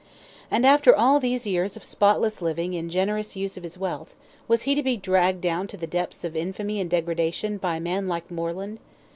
And after all these years of spotless living and generous use of his wealth, was he to be dragged down to the depths of infamy and degradation by a man like Moreland?